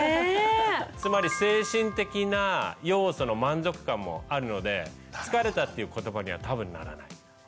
つまり精神的な要素の満足感もあるので「疲れた」っていう言葉には多分ならない。